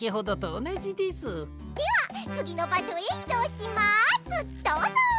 どうぞ！